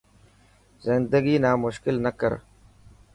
زندگي نا موشڪل نه ڪر.